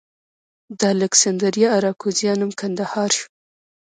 د الکسندریه اراکوزیا نوم کندهار شو